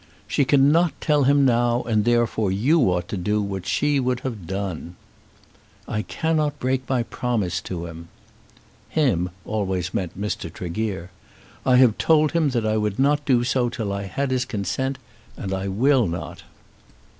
"She cannot tell him now, and therefore you ought to do what she would have done." "I cannot break my promise to him." "Him" always meant Mr. Tregear. "I have told him that I would not do so till I had his consent, and I will not."